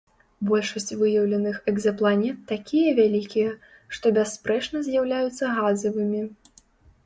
Большасць выяўленых экзапланет такія вялікія, што бясспрэчна з'яўляюцца газавымі.